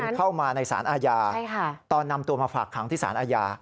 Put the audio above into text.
จังหวะนี้นะครับใช่ค่ะตอนนำตัวมาฝากขังที่สารอาญา